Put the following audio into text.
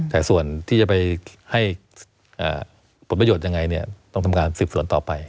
แต่ส่วนที่จะไปให้ผลประโยชน์ยังไงต้องทำการสืบสวนต่อไป